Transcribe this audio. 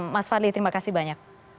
mas fadli terima kasih banyak